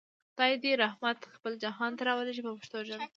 خدای رحمت خپل جهان ته راولېږه په پښتو ژبه.